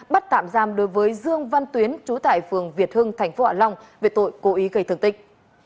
bắt tạm giam đối với dương văn tuyến trú tại phường việt hưng thành phố hạ long về tội cố ý gây thương tích